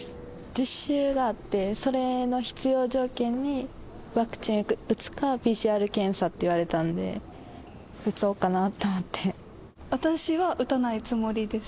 実習があって、それの必要条件に、ワクチン打つか、ＰＣＲ検査って言われたので、私は打たないつもりです。